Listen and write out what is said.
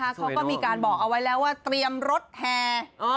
เขาก็มีการบอกเอาไว้แล้วว่าเตรียมรถแห่